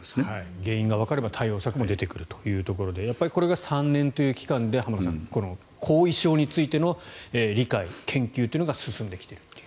原因がわかれば対応策も出てくるというところでこれが３年という期間で後遺症についての理解、研究というのが進んできているという。